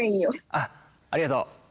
あっありがとう。